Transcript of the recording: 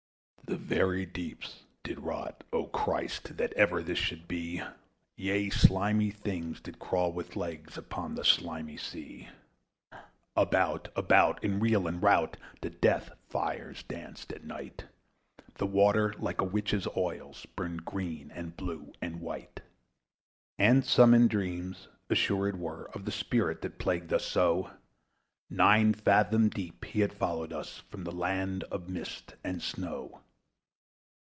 The very deep did rot: O Christ! That ever this should be! Yea, slimy things did crawl with legs Upon the slimy sea. About, about, in reel and rout The death fires danced at night; The water, like a witch's oils, Burnt green, and blue and white. And some in dreams assured were Of the spirit that plagued us so: Nine fathom deep he had followed us From the land of mist and snow.